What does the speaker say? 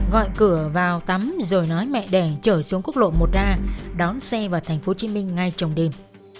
gọi cửa vào tắm rồi nói mẹ đẻ trở xuống quốc lộ một a đón xe vào tp hcm ngay trong đêm